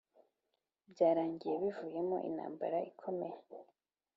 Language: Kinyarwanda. byarangiye bivuyemo intambara ikomeye